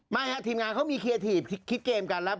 ไม่ครับทีมงานเขามีเคลียร์ทีปคิดเกมกันแล้ว